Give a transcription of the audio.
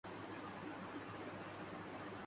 شہر سے دور ہونے کے باعث